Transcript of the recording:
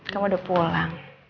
kamu udah pulang